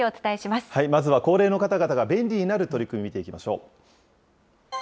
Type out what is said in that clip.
まずは高齢の方々が便利になる取り組み、見ていきましょう。